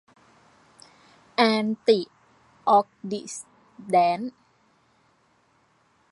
แอนติออกซิแดนท์